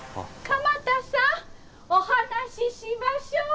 鎌田さんお話しましょう？